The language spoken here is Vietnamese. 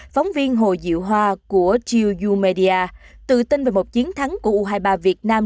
phóng viên hồ diệu hoa của chiu yu media tự tin về một chiến thắng của u hai mươi ba việt nam